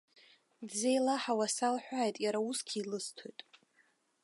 Дзеилаҳауа салҳәааит, иара усгьы илысҭоит.